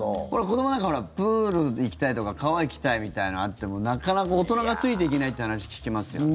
子どもなんかプール行きたいとか川行きたいみたいなのあってもなかなか、大人がついていけないって話聞きますけど。